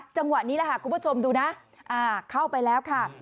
จังหวะนี้คุณผู้ชมดูนะเข้าไปแล้วค่ะ